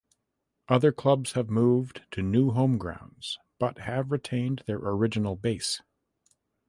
Other clubs have moved to new home grounds but have retained their original base.